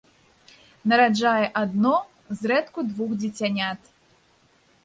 Нараджае адно, зрэдку двух дзіцянят.